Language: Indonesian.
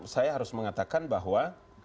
saya harus mengatakan bahwa